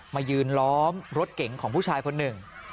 มายืนล้อมรถเก๋งของผู้ชายคนหนึ่ง